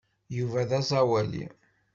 Yuba d aẓawali.